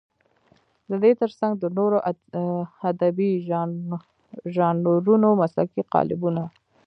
د دې تر څنګ د نورو ادبي ژانرونو مسلکي قالبونه.